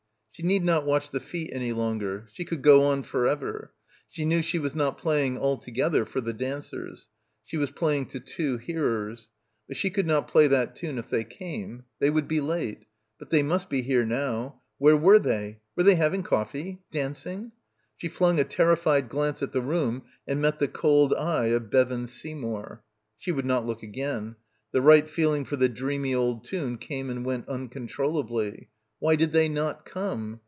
She need not watch the feet any longer. She could go on for ever. She knew she was not playing altogether for the dancers. She was playing to two hearers. But she could not play 58 BACKWATER that tune if they came. They would be late. But they must be here now. Where were they? Were they having coffee? Dancing? She flung a terrified glance at the room and met the cold eye of Bevan Seymour. She would not look again. The right feeling for the dreamy old tune came and went uncontrollably. Why did they not come?